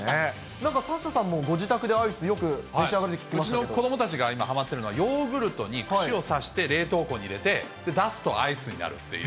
なんかサッシャさんもご自宅でアイス、よく召し上がるって聞きまうちの子どもたちが、今はまってるのは、ヨーグルトに串を差して、冷凍庫に入れていて、出すとアイスになるっていう。